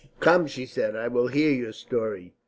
"Come," she said, "I will hear your story.